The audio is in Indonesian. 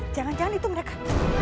jangan jangan itu mereka